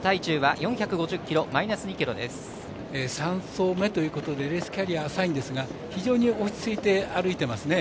３走目ということでレースキャリア浅いんですが非常に落ち着いて歩いていますね。